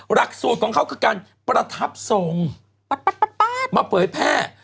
หลักสูตรของเขาก็การประทับส่งปัดปัดปัดปัดมาเปิดแพร่